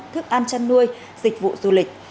thức ăn chăn nuôi dịch vụ du lịch